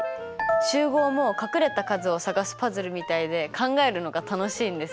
集合も隠れた数を探すパズルみたいで考えるのが楽しいんです。